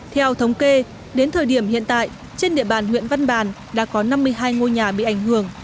theo thống kê đến thời điểm hiện tại trên địa bàn huyện văn bàn đã có năm mươi hai ngôi nhà bị ảnh hưởng